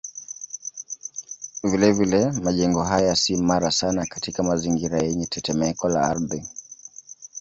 Vilevile majengo haya si imara sana katika mazingira yenye tetemeko la ardhi.